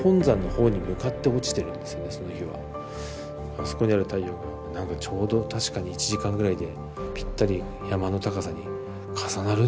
あそこにある太陽が何かちょうど確かに１時間ぐらいでぴったり山の高さに重なるんじゃないかな